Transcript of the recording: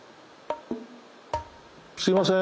すいません。